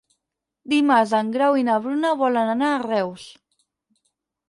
Dimarts en Grau i na Bruna volen anar a Reus.